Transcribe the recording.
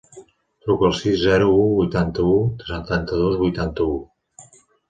Truca al sis, zero, u, vuitanta-u, setanta-dos, vuitanta-u.